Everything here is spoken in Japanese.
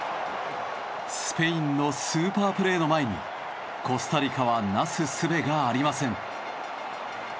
スペインのスーパープレーの前にコスタリカはなすすべがありません。